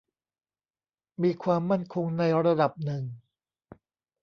มีความมั่นคงในระดับหนึ่ง